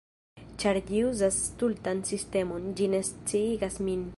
Ĉar ĝi uzas stultan sistemon... ĝi ne sciigas min